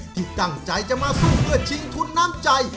ที่ตั้งใจจะมาสู้เพื่อชิงทุนน้ำใจ